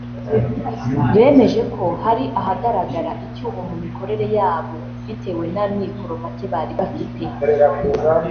bemeje ko hari ahagaraga icyuho mu mikorere yabo bitewe n’amikoro make bari bafite